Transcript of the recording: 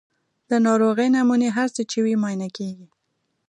د ناروغۍ نمونې هر څه چې وي معاینه کیږي.